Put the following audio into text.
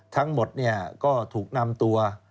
ทั้งหมดก็ถูกนำตัว